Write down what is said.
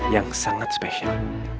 yang sangat spesial